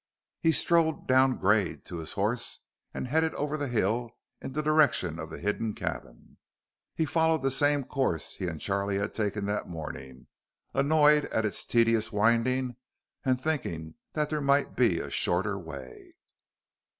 He strode down grade to his horse and headed over the hill in the direction of the hidden cabin. He followed the same course he and Charlie had taken that morning, annoyed at its tedious winding and thinking that there might be a shorter way.